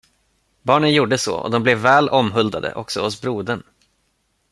Barnen gjorde så och de blev väl omhuldade också hos brodern.